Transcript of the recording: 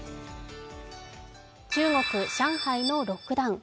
中国・上海のロックダウン。